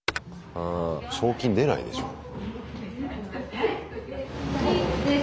賞金出ないでしょう。